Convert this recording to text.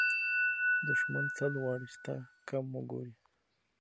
دښمن تل غواړي چې تا کم وګوري